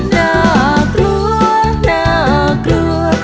น่ากลัวน่ากลัว